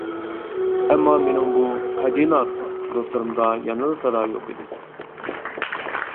ئەمما مېنىڭ بۇ «قەدىناس» دوستلىرىمدا يەنىلا سادا يوق ئىدى.